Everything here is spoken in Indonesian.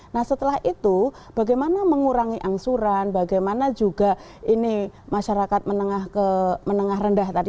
nah setelah itu bagaimana mengurangi angsuran bagaimana juga ini masyarakat menengah rendah tadi